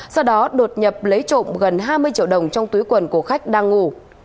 sau đó đột nhập lấy trộm gần hai mươi triệu đồng trong túi quần của khách đang ngủ